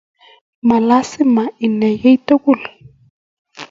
malazima inai keitugul